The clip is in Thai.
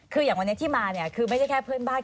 คืออย่างวันนี้ที่มาเนี่ยคือไม่ใช่แค่เพื่อนบ้าน